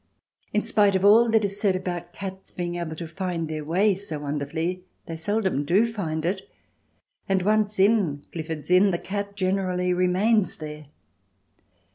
In spite of all that is said about cats being able to find their way so wonderfully, they seldom do find it, and once in Clifford's Inn the cat generally remains there.